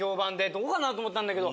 どうかなと思ったんだけど。